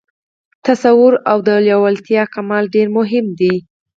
تصور او د لېوالتیا کمال ډېر مهم دي